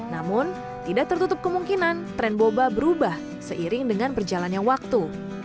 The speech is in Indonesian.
namun tidak tertutup kemungkinan tren boba berubah seiring dengan berjalannya waktu